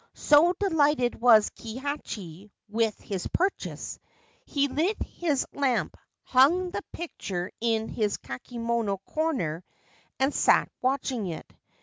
So delighted was Kihachi with his purchase, he lit his lamp, hung the picture in his kakemono corner, and sat watching it.